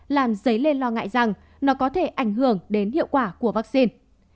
làm dấy lên lo ngại rằng nó có thể ảnh hưởng đến hiệu quả của vaccine